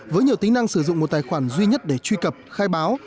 với nhiều tính năng sử dụng một tài khoản duy nhất để truy cập khai báo